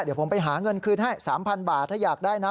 เดี๋ยวผมไปหาเงินคืนให้๓๐๐บาทถ้าอยากได้นะ